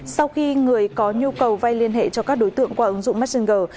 sau khi người có nhu cầu vay liên hệ cho các đối tượng qua ứng dụng messenger